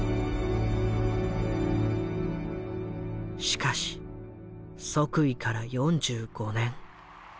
しかし即位から４５年。